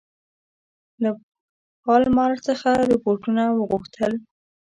له پالمر څخه رپوټونه وغوښتل.